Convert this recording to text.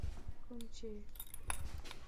کوم چي